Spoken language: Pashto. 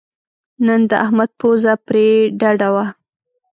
نن د احمد پوزه پرې ډډه وه.